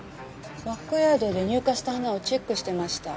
バックヤードで入荷した花をチェックしてました。